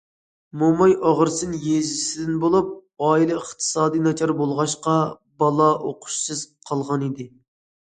موماي ئاغارسىن يېزىسىدىن بولۇپ، ئائىلە ئىقتىسادى ناچار بولغاچقا، بالا ئوقۇشسىز قالغانىدى.